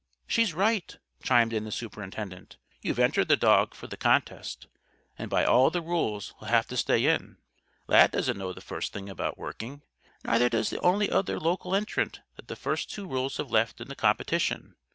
"She's right," chimed in the Superintendent. "You've entered the dog for the contest, and by all the rules he'll have to stay in it. Lad doesn't know the first thing about 'working.' Neither does the only other local entrant that the first two rules have left in the competition.